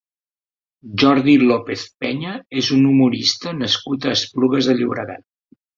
Jordi López Peña és un humorista nascut a Esplugues de Llobregat.